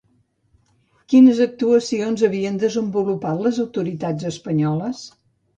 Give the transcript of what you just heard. Quines actuacions havien desenvolupat les autoritats espanyoles?